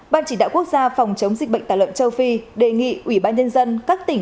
ban chỉ đạo quốc gia phòng chống dịch bệnh tà lợn châu phi đề nghị ủy ban nhân dân các tỉnh